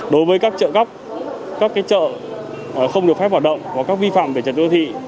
đối với các chợ cóc các chợ không được phép hoạt động và các vi phạm về trật đô thị